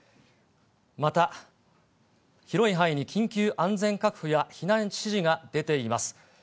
また、広い範囲に緊急安全確保や避難指示が出ています。